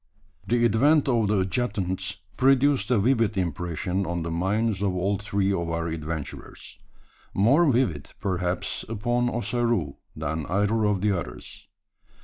The advent of the adjutants produced a vivid impression on the minds of all three of our adventurers more vivid, perhaps, upon Ossaroo than either of the others.